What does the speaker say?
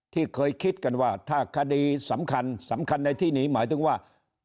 ที่เคยคิดกันว่าถ้าคดีสำคัญสำคัญในที่นี้หมายถึงว่า